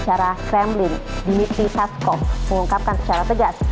secara kremlin dmitri tashkov mengungkapkan secara tegas